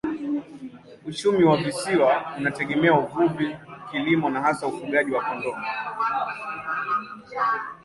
Uchumi wa visiwa unategemea uvuvi, kilimo na hasa ufugaji wa kondoo.